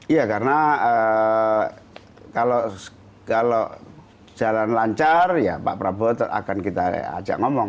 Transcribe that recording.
iya karena kalau jalan lancar ya pak prabowo akan kita ajak ngomong